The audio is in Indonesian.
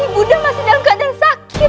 ibu undaku masih dalam keadaan sakit